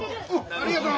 ありがとう！